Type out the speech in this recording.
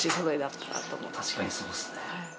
確かにそうですね。